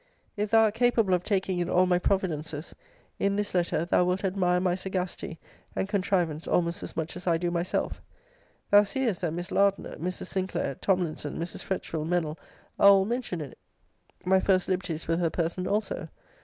If thou art capable of taking in all my providences, in this letter, thou wilt admire my sagacity and contrivance almost as much as I do myself. Thou seest, that Miss Lardner, Mrs. Sinclair, Tomlinson, Mrs. Fretchville, Mennell, are all mentioned in it. My first liberties with her person also.